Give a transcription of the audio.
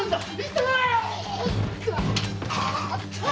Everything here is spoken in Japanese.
痛い！